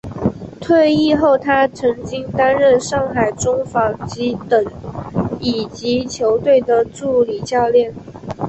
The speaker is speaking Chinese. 退役后他曾经担任上海中纺机等乙级球队的助理教练。